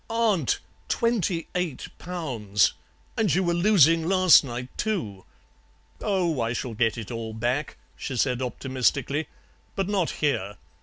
"'Aunt! Twenty eight pounds! And you were losing last night too.' "'Oh, I shall get it all back,' she said optimistically; 'but not here.